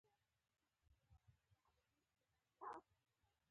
مانا د ژوند د دوام روح ده.